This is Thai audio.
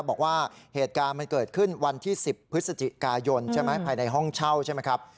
บอกว่าเหตุการณ์มันเกิดขึ้นวันที่๑๐พฤศจิกายนใช่ไหมภายในห้องเช่าใช่ไหมครับ